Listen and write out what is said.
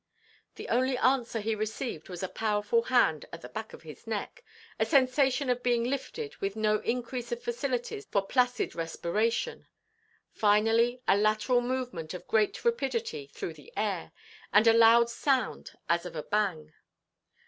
The only answer he received was a powerful hand at the back of his neck, a sensation of being lifted with no increase of facilities for placid respiration; finally, a lateral movement of great rapidity through the air, and a loud sound as of a bang.